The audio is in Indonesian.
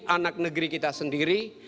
anak negeri kita sendiri